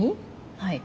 はい。